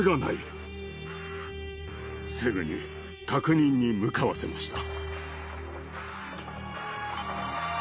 すぐに確認に向かわせました。